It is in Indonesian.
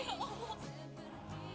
dan tau kamu